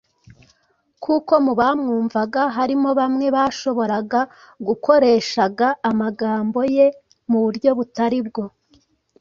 kuko mu bamwumvaga harimo bamwe bashoboraga gukoreshaga amagambo ye mu buryo butari bwo